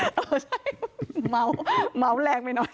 อ๋อใช่ม้าวม้าวแรงไปหน่อย